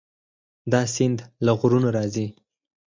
دا سیند له غرونو راځي.